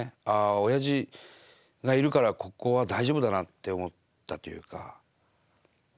おやじがいるからここは大丈夫だなと思ったというか。